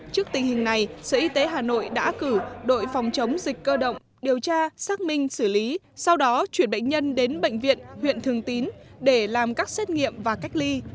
trước tình hình này sở y tế hà nội đã cử đội phòng chống dịch cơ động điều tra xác minh xử lý sau đó chuyển bệnh nhân đến bệnh viện huyện thường tín để làm các xét nghiệm và cách ly